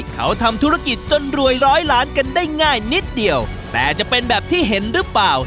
เขาทำธุรกิจจนรวยร้อยล้านกันได้ง่ายนิดเดียวแต่จะเป็นแบบที่เห็นหรือเปล่า